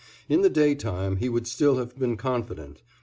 In the daytime he would still have been confident.